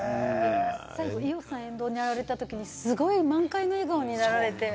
伊代さんが沿道に現れたときに、すごい満開の笑顔になられて。